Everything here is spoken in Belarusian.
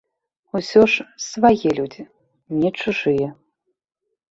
Усё ж свае людзі, не чужыя.